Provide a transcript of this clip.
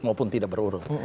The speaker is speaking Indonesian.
walaupun tidak berurut